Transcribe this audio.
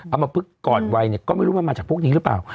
เอามาพึกก่อนวัยเนี่ยก็ไม่รู้มันมาจากพวกนี้หรือเปล่า